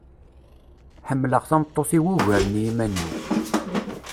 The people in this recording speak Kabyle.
Ḥemleɣ tameṭṭut-iw ugar n yiman-iw.